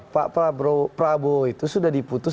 pak prabowo itu sudah diputus